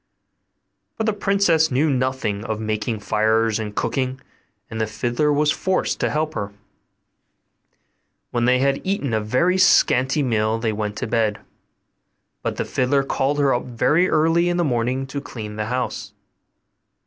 But the princess knew nothing of making fires and cooking, and the fiddler was forced to help her. When they had eaten a very scanty meal they went to bed; but the fiddler called her up very early in the morning to clean the house.